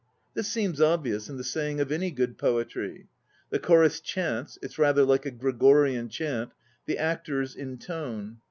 This seems obvious in the saying of any good poetry. The chorus chants (it's rather like a Gregorian chant), the actors intone.